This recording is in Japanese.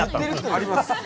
あります。